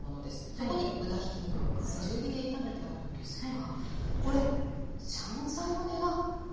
そこに豚ひき肉を加え中火で炒めてあるんですがこれ香菜の根が入るんですね